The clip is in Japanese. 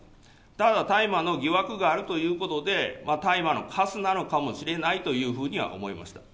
ただ、大麻の疑惑があるということで、大麻のカスなのかもしれないというふうには思いました。